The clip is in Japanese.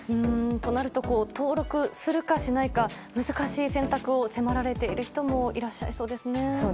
となると、登録するかしないか難しい選択を迫られている人もいそうですね。